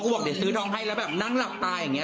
แล้วก็สือทองให้นั่งหลักตายอย่างนี้